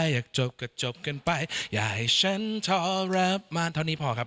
อ่านอกจากนี้ค่ะ